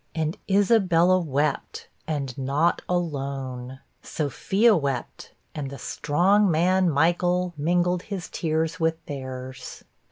And Isabella wept, and not alone; Sophia wept, and the strong man, Michael, mingled his tears with theirs.